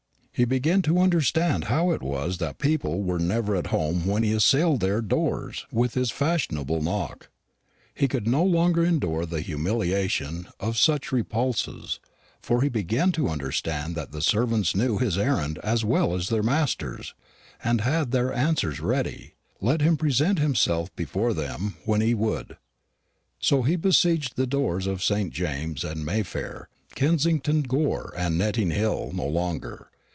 He began to understand how it was that people were never at home when he assailed their doors with his fashionable knock. He could no longer endure the humiliation of such repulses, for he began to understand that the servants knew his errand as well as their masters, and had their answers ready, let him present himself before them when he would: so he besieged the doors of St. James's and Mayfair, Kensington Gore and Netting Hill, no longer.